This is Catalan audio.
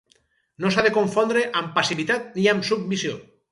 No s’ha de confondre amb passivitat ni amb submissió.